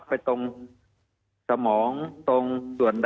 มีความรู้สึกว่ามีความรู้สึกว่า